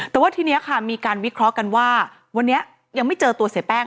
แต่ว่าทีนี้ค่ะมีการวิเคราะห์กันว่าวันนี้ยังไม่เจอตัวเสียแป้ง